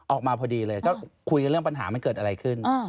ออกมาพอดีเลยก็คุยกันเรื่องปัญหามันเกิดอะไรขึ้น